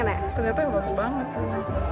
ternyata bagus banget